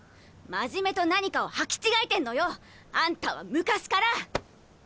真面目と何かを履き違えてんのよ！あんたは昔から！